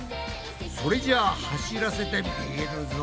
それじゃあ走らせてみるぞ。